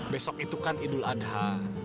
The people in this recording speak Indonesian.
besok itu kan idul adha